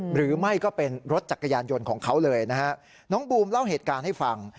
หรือไม่ก็เป็นรถจักรยานยนต์ของเขาเลยนะฮะน้องบูมเล่าเหตุการณ์ให้ฟัง